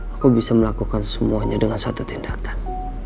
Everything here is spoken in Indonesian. aku bisa melakukan semuanya dengan satu tindakan